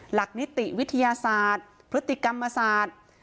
หลักนิติวิทยาศาสตร์พฤติกรรมศาสตร์